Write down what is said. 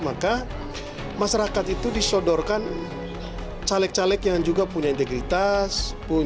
maka masyarakat itu disodorkan caleg caleg yang juga punya integritas